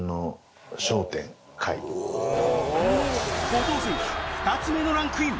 後藤選手２つ目のランクイン